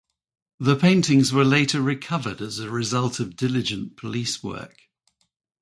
The paintings were later recovered as a result of diligent police work.